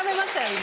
今。